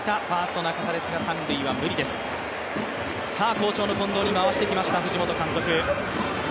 好調の近藤に回してきました藤本監督。